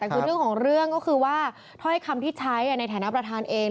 แต่คือเรื่องของเรื่องก็คือว่าถ้อยคำที่ใช้ในฐานะประธานเอง